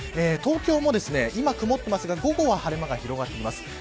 東京も今曇っていますが午後は晴れ間が広がっています。